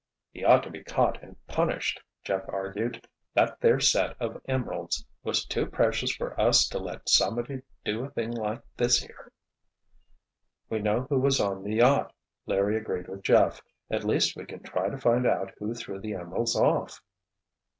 "He ought to be caught and punished," Jeff argued. "That there set of emeralds was too precious for us to let somebody do a thing like this here." "We know who was on the yacht," Larry agreed with Jeff. "At least we can try to find out who threw the emeralds off."